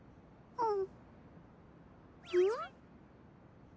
うん？